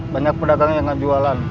banyak pedagang yang gak jualan